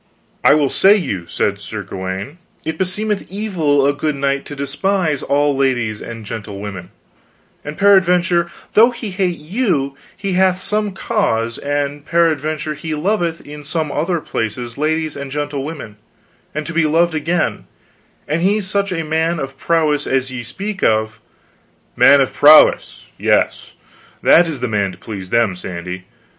I will say you, said Sir Gawaine, it beseemeth evil a good knight to despise all ladies and gentlewomen, and peradventure though he hate you he hath some cause, and peradventure he loveth in some other places ladies and gentlewomen, and to be loved again, and he such a man of prowess as ye speak of " "Man of prowess yes, that is the man to please them, Sandy.